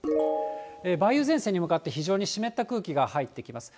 梅雨前線に向かって、非常に湿った空気が入ってきます。